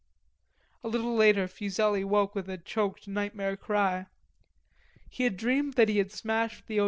A little later Fuselli woke with a choked nightmare cry. He had dreamed that he had smashed the O.